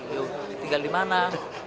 yuk tinggal di mana